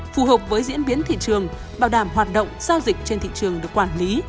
phù hợp với diễn biến thị trường bảo đảm hoạt động giao dịch trên thị trường được quản lý